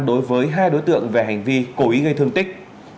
đối với hai đối tượng về hành vi cố ý gây thương tích